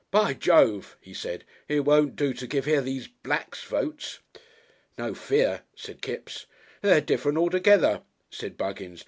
"By Jove!" he said, "it won't do to give these here Blacks votes." "No fear," said Kipps. "They're different altogether," said Buggins.